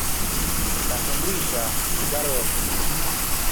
la sombrilla, Ricardo.